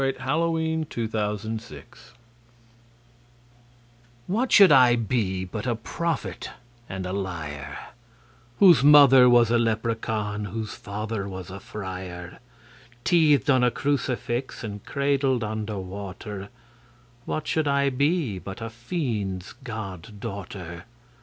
The Singing Woman from the Wood's Edge WHAT should I be but a prophet and a liar, Whose mother was a leprechaun, whose father was a friar? Teethed on a crucifix and cradled under water, What should I be but a fiend's god daughter?